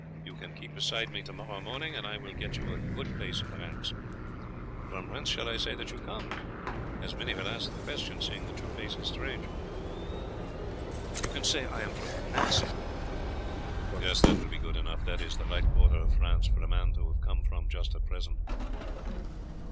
You can keep beside me to morrow morning and I will get you a good place in the ranks. From whence shall I say that you come, as many will ask the question, seeing that your face is strange?" "You can say I am from Nancy." "Yes, that will be good enough; that is the right quarter of France for a man to have come from just at present."